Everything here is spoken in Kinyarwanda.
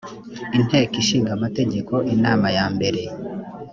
inteko ishinga amategeko inama ya mbere